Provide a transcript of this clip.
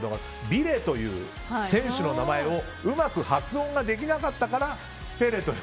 ビレという選手の名前をうまく発音できなかったからペレと。